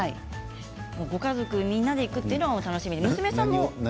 ご家族みんなで行くというのが楽しみで。